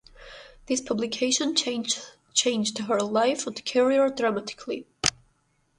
This publication changed her life and career dramatically.